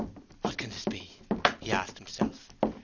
'What can this be?' he asked himself.